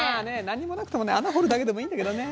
何にもなくてもね穴掘るだけでもいいんだけどね。